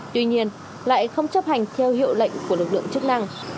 tuy nhiên lại không chấp hành theo hiệu lệnh của lực lượng chức năng